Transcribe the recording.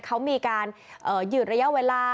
เขามีการหยืดระยะเวลา